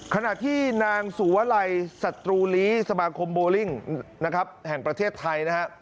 ขณะที่นางสุวลัยศัตรูลีสมาคมโบลิ่งนะครับแห่งประเทศไทยนะฮะ